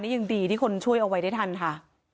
ยังดีที่คนช่วยเอาไว้ได้ทันค่ะ